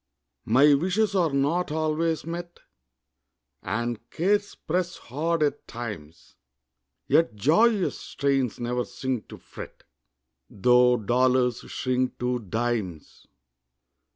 My wishes are not always met, And cares press hard at times; Yet joyous strains ne'er sink to fret, Tho' dollars shrink to dimes.